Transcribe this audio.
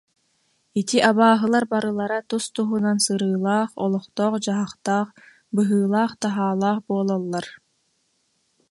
Ити абааһылар барылара тус-туһунан сырыылаах, олохтоох-дьаһахтаах, быһыылаах-таһаалаах буолаллар